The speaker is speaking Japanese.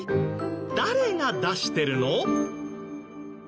誰が出してるの？